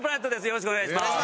よろしくお願いします。